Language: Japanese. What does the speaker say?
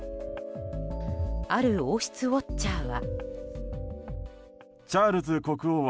ある王室ウォッチャーは。